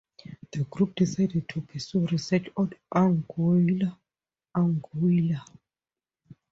The group decided to pursue research on "Anguilla anguilla".